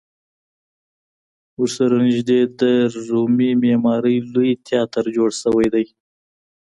ورسره نږدې د رومي معمارۍ لوی تیاتر جوړ شوی دی.